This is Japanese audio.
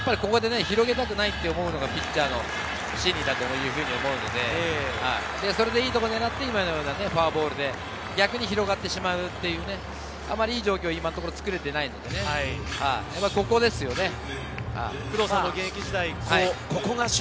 ここで広げたくないと思うのがピッチャーの心理だというふうに思うので、それでいいところを狙って今のようなフォアボールで逆に広がってしまうっていう、あまりいい状況をつくれていないのでね、ここですよね。